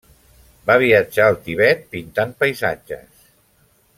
Va viatjar al Tibet pintant paisatges.